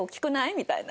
みたいな。